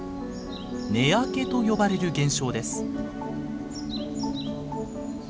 「根開け」と呼ばれる現象です。